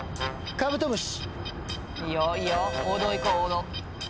カブトムシ。